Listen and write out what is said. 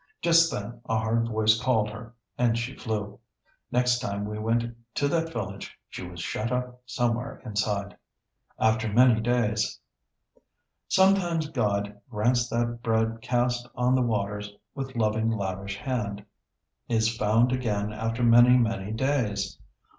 Just then a hard voice called her and she flew. Next time we went to that village she was shut up somewhere inside." [Sidenote: "After many days."] Sometimes God grants that bread cast on the waters with loving, lavish hand, is found again after many, many days.